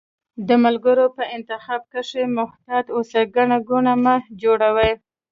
د ملګرو په انتخاب کښي محتاط اوسی، ګڼه ګوڼه مه جوړوی